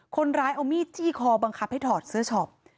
คนร้ายเอามีดจี้คอบังคับให้ถอดเสื้อช็อป